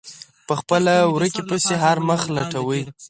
په خپله ورکې پسې هر مخ لټوي.